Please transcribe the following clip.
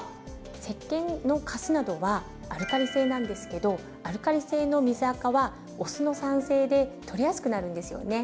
せっけんのカスなどはアルカリ性なんですけどアルカリ性の水あかはお酢の酸性で取れやすくなるんですよね。